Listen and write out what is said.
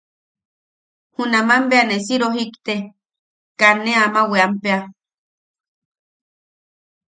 Junaman bea ne si rojikte, kaa ne ama weampea.